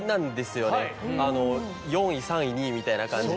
４位３位２位みたいな感じで。